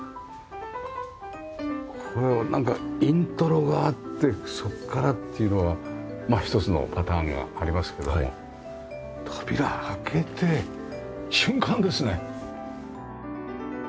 これはなんかイントロがあってそこからっていうのはまあ一つのパターンがありますけども扉開けて瞬間ですね！